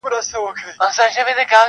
ښيي-